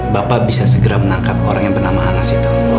bapak bisa segera menangkap orang yang bernama anas itu